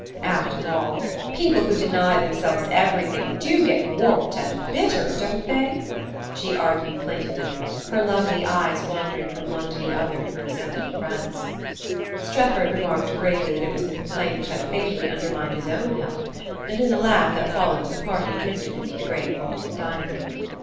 "After all, people who deny themselves everything do get warped and bitter, don't they?" she argued plaintively, her lovely eyes wandering from one to the other of her assembled friends. Strefford remarked gravely that it was the complaint which had fatally undermined his own health; and in the laugh that followed the party drifted into the great vaulted dining room.